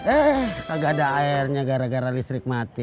eh agak ada airnya gara gara listrik mati